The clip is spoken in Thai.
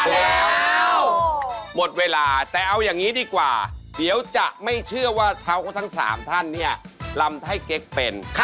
แล้วหมดเวลาแต่เอาอย่างนี้ดีกว่าเดี๋ยวจะไม่เชื่อว่าเท้าของทั้ง๓ท่านเนี่ยลำไทเก๊กเป็น